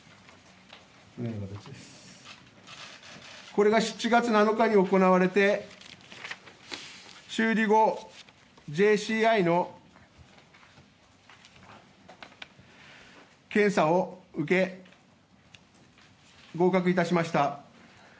これが７月７日に行われて修理後、ＪＣＩの検査を受け合格致しました。